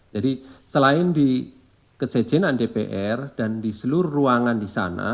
jadi selain di kecenan dpr dan di seluruh ruangan di sana